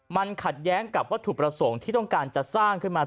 มันขัดแย้งกับวัตถุประสงค์ที่ต้องการจะสร้างขึ้นมา